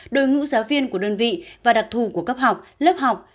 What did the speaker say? đội ngũ giáo viên của đơn vị và đặc thù của cấp học lớp học